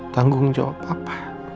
tanggung jawab papa